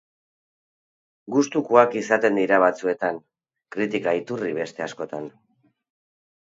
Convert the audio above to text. Gustukoak izaten dira batzuetan, kritika-iturri beste askotan.